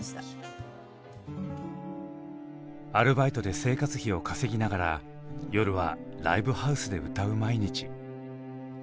アルバイトで生活費を稼ぎながら夜はライブハウスで歌う毎日。